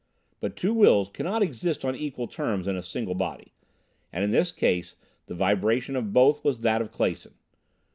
But two wills can not exist on equal terms in a single body, and in this case the vibration of both was that of Clason.